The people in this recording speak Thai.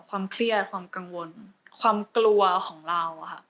ความเครียดความกังวลความกลัวของเราค่ะ